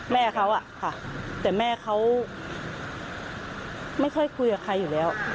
แม่เขาอะค่ะแต่แม่เขาไม่ค่อยคุยกับใครอยู่แล้ว